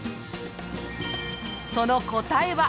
その答えは。